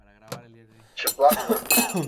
Çıplak mı?